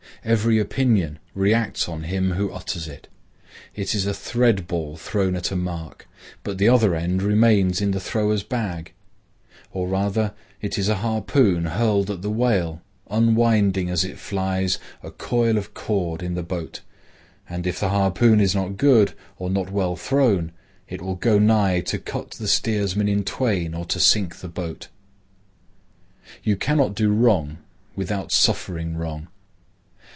Every opinion reacts on him who utters it. It is a thread ball thrown at a mark, but the other end remains in the thrower's bag. Or rather it is a harpoon hurled at the whale, unwinding, as it flies, a coil of cord in the boat, and, if the harpoon is not good, or not well thrown, it will go nigh to cut the steersman in twain or to sink the boat. You cannot do wrong without suffering wrong.